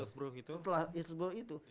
setelah hillsborough itu